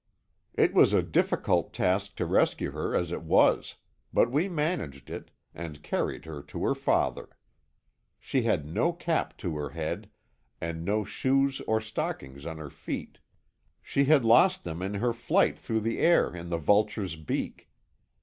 It was a difficult task to rescue her as it was, but we managed it, and carried her to her father. She had no cap to her head, and no shoes or stockings on her feet; she had lost them in her flight through the air in the vulture's beak.